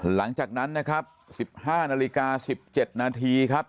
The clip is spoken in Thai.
หลังจากนั้นนะครับ๑๕นาฬิกา๑๗นาทีครับ